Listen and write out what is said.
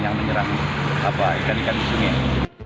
yang menyerang ikan ikan di sungai ini